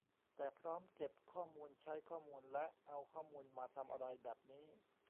แต่พร้อมเก็บข้อมูล ใช้ข้อมูล และเอาข้อมูลมาทำอะไรแบบนี้